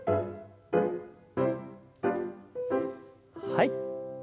はい。